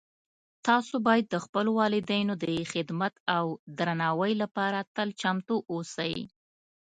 تاسو باید د خپلو والدینو د خدمت او درناوۍ لپاره تل چمتو اوسئ